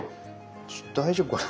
ちょっと大丈夫かな？